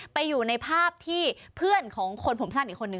ไปอยู่ในภาพที่เพื่อนของคนผมสั้นอีกคนนึ